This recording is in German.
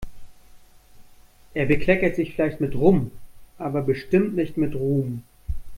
Er bekleckert sich vielleicht mit Rum, aber bestimmt nicht mit Ruhm.